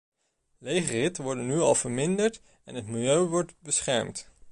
Lege ritten worden nu al verminderd en het milieu wordt beschermd.